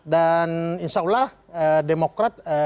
dan insya allah demokrat